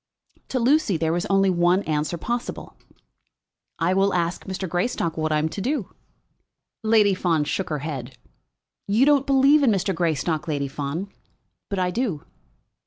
To Lucy there was only one answer possible. "I will ask Mr. Greystock what I am to do." Lady Fawn shook her head. "You don't believe in Mr. Greystock, Lady Fawn; but I do."